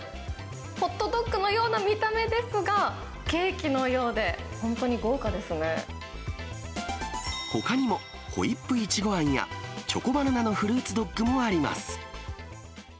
ホットドッグのような見た目ですが、ケーキのようで、本当に豪華ほかにも、ホイップいちごあんや、チョコバナナのフルーツドッグもあります。